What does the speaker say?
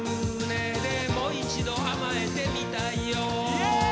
イエーイ！